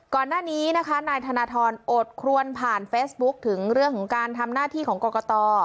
ก่อนหน้านี้นะคะนายธนทรอดครวนผ่านเฟซบุ๊คถึงเรื่องของการทำหน้าที่ของกรกต